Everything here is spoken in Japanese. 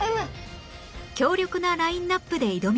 強力なラインアップで挑みます